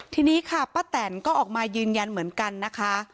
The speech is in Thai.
ทีนี้ค่ะป้าแตนก็ออกมายืนยันเหมือนกันนะคะ